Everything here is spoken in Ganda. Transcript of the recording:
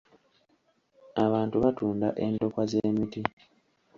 Abantu batunda endokwa z'emiti.